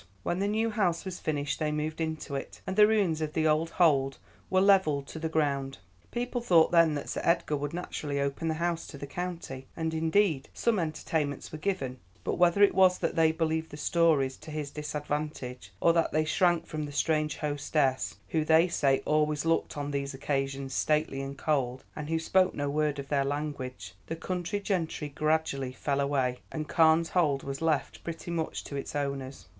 When the new house was finished they moved into it, and the ruins of the old Hold were levelled to the ground. People thought then that Sir Edgar would naturally open the house to the county, and, indeed, some entertainments were given, but whether it was that they believed the stories to his disadvantage, or that they shrank from the strange hostess, who, they say, always looked on these occasions stately and cold, and who spoke no word of their language, the country gentry gradually fell away, and Carne's Hold was left pretty much to its owners.